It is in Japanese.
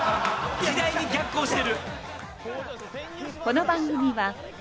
時代に逆行してる。